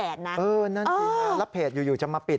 นั่นสิฮะแล้วเพจอยู่จะมาปิด